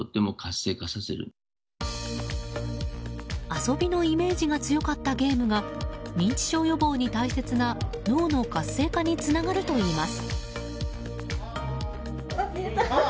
遊びのイメージが強かったゲームが認知症予防に大切な脳の活性化につながるといいます。